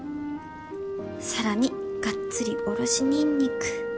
さらにがっつりおろしニンニク。